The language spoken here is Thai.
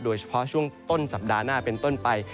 โดยเฉพาะช่วงต้นสัปดาห์หน้าเป็นต้นไป